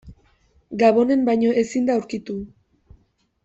Gabonen baino ezin da aurkitu.